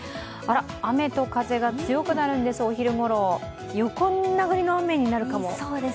雨と風が強くなるんです、お昼ごろ横殴りの雨になるかも。